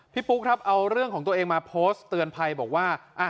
ปุ๊กครับเอาเรื่องของตัวเองมาโพสต์เตือนภัยบอกว่า